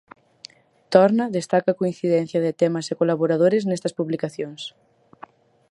Torna destaca a coincidencia de temas e colaboradores nestas publicacións.